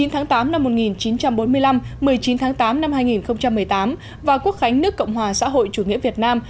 một mươi tháng tám năm một nghìn chín trăm bốn mươi năm một mươi chín tháng tám năm hai nghìn một mươi tám và quốc khánh nước cộng hòa xã hội chủ nghĩa việt nam